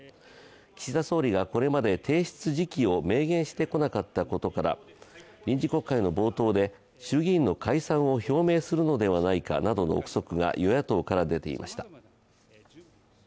岸田総理がこれまで提出時期を明言してこなかったことから臨時国会の冒頭で衆議院の解散を表明するのではないかとの臆測が与野党から出ていました。